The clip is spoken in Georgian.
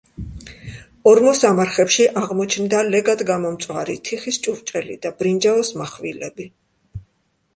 ორმოსამარხებში აღმოჩნდა ლეგად გამომწვარი თიხის ჭურჭელი და ბრინჯაოს მახვილები.